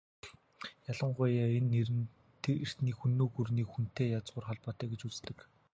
Ялангуяа энэ нэр нь эртний Хүннү гүрний "Хүн"-тэй язгуур холбоотой гэж үздэг.